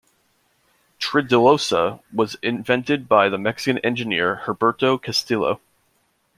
Tridilosa was invented by the Mexican engineer Heberto Castillo.